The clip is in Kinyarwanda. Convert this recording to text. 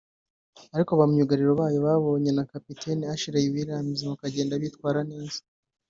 ariko ba myugariro bayo bayobowe na kapiteni Ashley Williams bakagenda bitwara neza